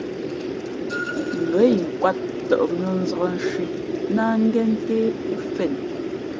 Ngά inkwāt tαʼ mʉ̄ᾱ nzǎk nshwī ná ngěn ntē mfén.